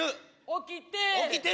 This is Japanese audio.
起きて。